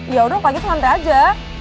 yaudah pagi selantar aja